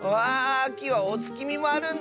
あきはおつきみもあるんだった。